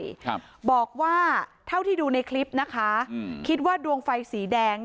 ครับบอกว่าเท่าที่ดูในคลิปนะคะอืมคิดว่าดวงไฟสีแดง